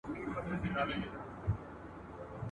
هغوی وویل څښتن چي مو خوشال وي ..